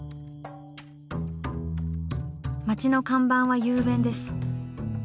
町の看板は雄弁です。